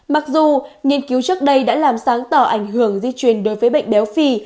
mặc dù nghiên cứu trước đây đã làm sáng tỏ ảnh hưởng di chuyển đối với bệnh béo phi